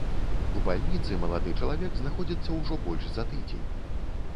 У бальніцы малады чалавек знаходзіцца ўжо больш за тыдзень.